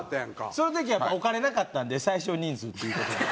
その時はやっぱお金なかったんで最少人数っていう事で。